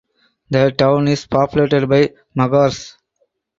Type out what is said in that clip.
The town is populated by Magars.